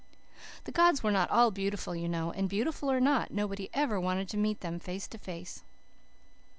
The gods were not all beautiful, you know. And, beautiful or not, nobody ever wanted to meet them face to face.